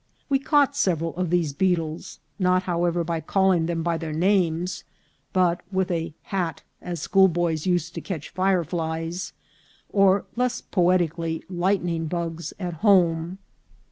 We caught several of these beetles, not, however, by call ing them by their names, but with a hat, as school boys used to catch fireflies, or, less poetically, light ning bugs, at home.